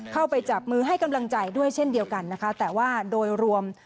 เข้าไปจับมือให้กำลังใจด้วยเช่นเดียวกันนะคะแต่ว่าโดยรวม